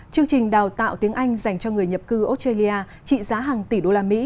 chương trình đào tạo tiếng anh dành cho người nhập cư australia trị giá hàng tỷ đô la mỹ